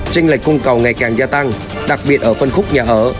tranh lệch cung cầu ngày càng gia tăng đặc biệt ở phân khúc nhà ở